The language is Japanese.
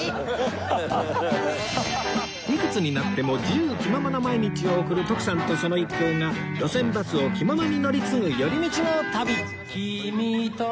いくつになっても自由気ままな毎日を送る徳さんとその一行が路線バスを気ままに乗り継ぐ寄り道の旅